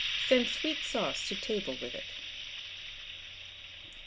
Send sweet sauce to table with it.